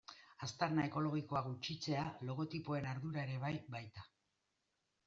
Aztarna ekologikoa gutxitzea logotipoen ardura ere bai baita.